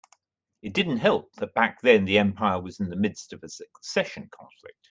It didn't help that back then the empire was in the midst of a succession conflict.